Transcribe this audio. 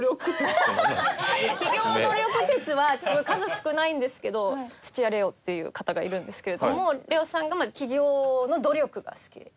企業努力鉄はちょっと数少ないんですけど土屋礼央っていう方がいるんですけれども礼央さんが企業の努力が好きで。